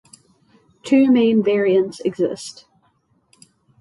Two main variants exist.